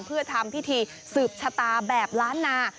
เพื่อทำพิธีสืบชะตาแบบล้านนา